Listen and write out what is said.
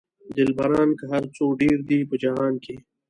دلبران که هر څو ډېر دي په جهان کې.